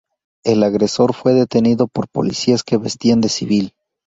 El agresor fue detenido por policías que vestían de civil.